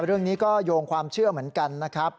เรื่องนี้ก็โยงความเชื่อเหมือนกันนะครับ